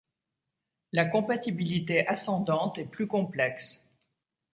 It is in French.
La compatibilité ascendante est plus complexe.